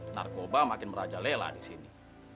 narkoba makin merajalela di sini